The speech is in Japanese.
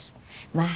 まあ。